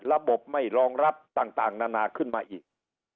ระบบไม่รองรับต่างนานาขึ้นมาอีก